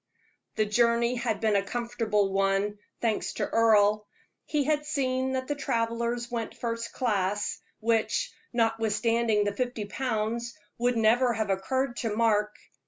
The journey had been a comfortable one, thanks to Earle. He had seen that the travelers went first class, which, notwithstanding the fifty pounds, would never have occurred to Mark.